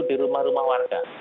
di rumah rumah warga